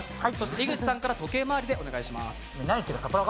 井口さんから時計回りでお願いします。